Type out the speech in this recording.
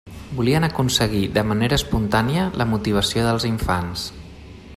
Volien aconseguir, de manera espontània, la motivació dels infants.